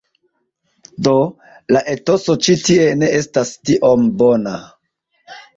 Do, la etoso ĉi tie ne estas tiom bona